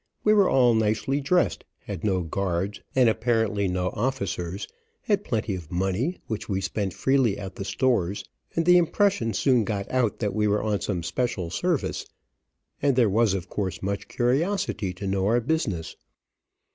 We were all nicely dressed, had no guards, and apparently no officers, had plenty of money, which we spent freely at the stores, and the impression soon got out that we were on some special service, and there was, of course, much curiosity to know our business.